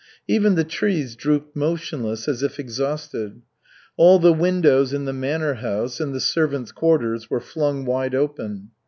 Even the trees drooped motionless, as if exhausted. All the windows in the manor house and the servants' quarters were flung wide open.